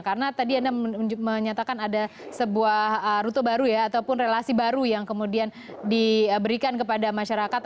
karena tadi anda menyatakan ada sebuah rute baru ya ataupun relasi baru yang kemudian diberikan kepada masyarakat